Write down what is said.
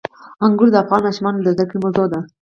انګور د افغان ماشومانو د زده کړې موضوع ده.